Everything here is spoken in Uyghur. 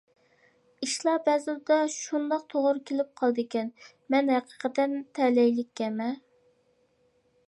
ئىشلار بەزىدە شۇنداق توغرا كېلىپ قالىدىكەن، مەن ھەقىقەتەن تەلەيلىككەنمەن.